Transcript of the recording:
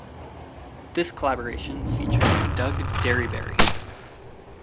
This collaboration featured Doug Derryberry.